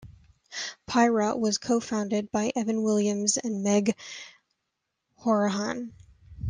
Pyra was co-founded by Evan Williams and Meg Hourihan.